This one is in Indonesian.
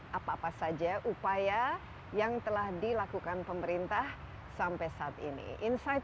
harus kurangi apa apa saja upaya yang telah dilakukan pemerintah sampai saat ini inside